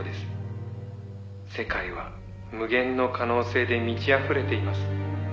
「世界は無限の可能性で満ちあふれています」